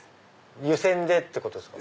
湯煎でってことですか？